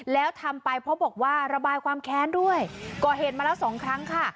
แล้วทำไปเพราะบอกว่าระบายความแค้นด้วยก่อเหตุมาแล้วสองครั้งค่ะ